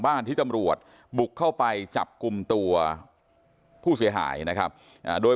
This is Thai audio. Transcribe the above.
ที่ตำรวจบุกเข้าไปจับกลุ่มตัวผู้เสียหายนะครับโดย